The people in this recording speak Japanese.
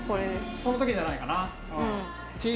そのときじゃないかな。